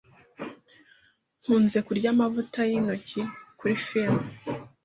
Nkunze kurya amavuta yintoki kuri firime.